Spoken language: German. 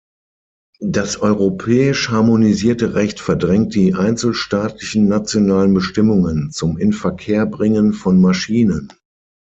Das europäisch harmonisierte Recht verdrängt die einzelstaatlichen nationalen Bestimmungen zum Inverkehrbringen von Maschinen.